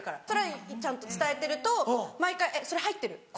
それをちゃんと伝えてると毎回「それ入ってる？